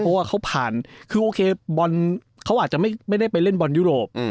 เพราะว่าเขาผ่านคือโอเคบอลเขาอาจจะไม่ได้ไปเล่นบอลยุโรป